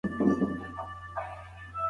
کېدای سي نوټونه غلط وي.